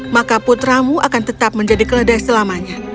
maka putramu akan tetap menjadi keledai selamanya